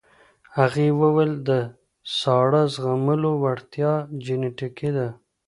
هغې وویل د ساړه زغملو وړتیا جینیټیکي ده.